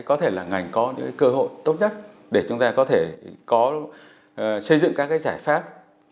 có thể là ngành có những cơ hội tốt nhất để chúng ta có thể có xây dựng các giải pháp